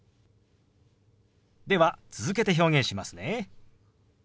では続けて表現しますね。